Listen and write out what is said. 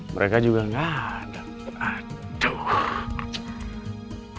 mereka juga enggak ada aduh